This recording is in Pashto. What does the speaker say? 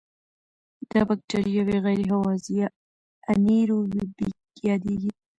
دا بکټریاوې غیر هوازی یا انئیروبیک یادیږي.